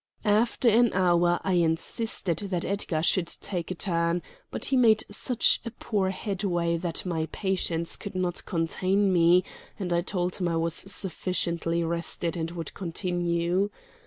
After an hour I insisted that Edgar should take a turn; but he made such poor headway that my patience could not contain me, and I told him I was sufficiently rested and would continue.